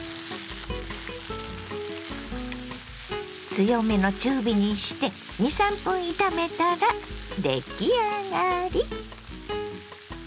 強めの中火にして２３分炒めたら出来上がり。